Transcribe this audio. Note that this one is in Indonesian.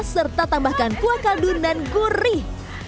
serta tambahkan kuah kaldun dan gurih